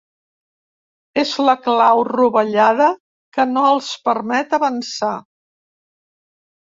És la clau rovellada que no els permet avançar.